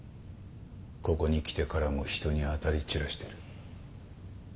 ここに来てからも人に当たり散らしてる。